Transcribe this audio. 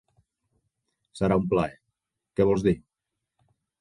Serà un plaer. Què vols dir?